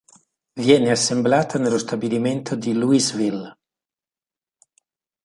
Viene assemblata nello stabilimento di Louisville.